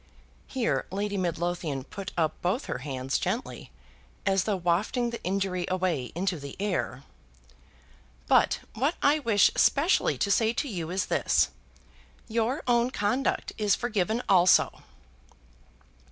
Here Lady Midlothian put up both her hands gently, as though wafting the injury away into the air. "But what I wish specially to say to you is this; your own conduct is forgiven also!"